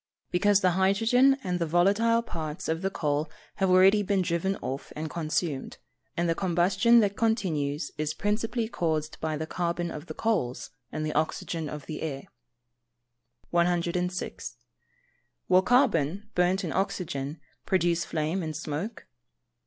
_ Because the hydrogen and the volatile parts of the coal have already been driven off and consumed, and the combustion that continues is principally caused by the carbon of the coals, and the oxygen of the air. 106. _Will carbon, burnt in oxygen, produce flame and smoke?